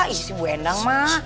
ih si bu endang mah